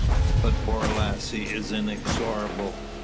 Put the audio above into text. But Borlasse is inexorable.